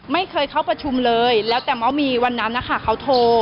ไม่เคยเข้าประชุมเลยแล้วแต่ว่ามีวันนั้นนะคะเขาโทร